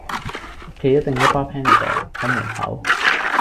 屋企一定一包 Panadol 看門口